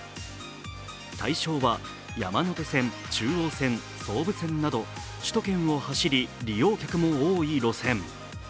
対象は山手線、中央線、総武線など首都圏を走り、利用客も多い路線。